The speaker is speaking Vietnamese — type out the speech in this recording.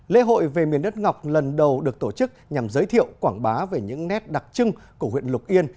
lễ hội về miền đất ngọc lần đầu được tổ chức nhằm giới thiệu quảng bá về những nét đặc trưng của huyện lục yên